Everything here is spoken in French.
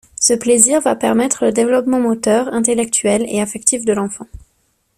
Ce plaisir va permettre le développement moteur, intellectuel et affectif de l'enfant.